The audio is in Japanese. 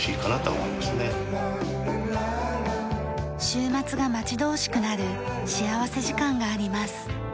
週末が待ち遠しくなる幸福時間があります。